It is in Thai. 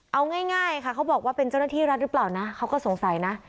เอาง่ายค่ะเขาบอกว่าเป็นเจ้าหน้าที่รัฐหรือเปล่านะเขาก็สงสัยนะ